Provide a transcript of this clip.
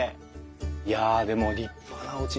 いやでも立派なおうち。